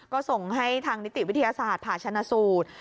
ก็ส่งให้ทางนิติวิทยาศาสตร์ผ่าชนะสูตร